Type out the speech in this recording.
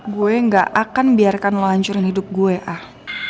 gue gak akan biarkan lo hancurin hidup gue ah